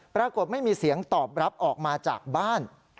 ปรากฏไม่มีเสียงตอบรับออกมาจากบ้าน